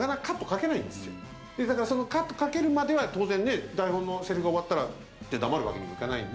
だからカットかけるまでは当然ね台本のセリフが終わったら黙るわけにもいかないんで。